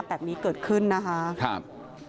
ขอบคุณครับขอบคุณครับ